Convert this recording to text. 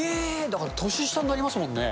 だから年下になりますもんね。